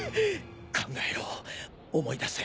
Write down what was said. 考えろ思い出せ